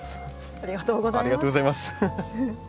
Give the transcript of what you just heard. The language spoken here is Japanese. ありがとうございます。